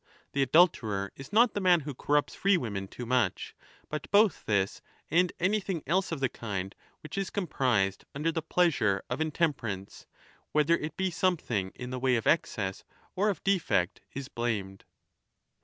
The adulterer is I186'' not the man who corrupts free women too much ; but both this and anything else of the kind which is comprised under the pleasure of intemperance, whether it be some thing in the way of excess or of defect,^ is blamed.